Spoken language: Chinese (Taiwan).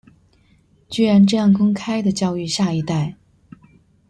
居然這樣公開的教育下一代